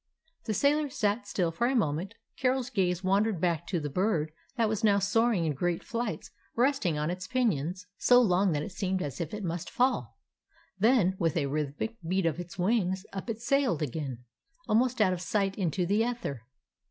The sailor sat still for a moment. Carol's gaze wandered back to the bird that was now soaring in great flights, resting on its pinions so long that it seemed as if it must fall. Then, with a rhythmic beat of its wings, up it sailed again, almost out of sight into the ether.